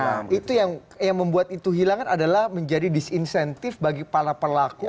nah itu yang membuat itu hilang kan adalah menjadi disinsentif bagi para pelaku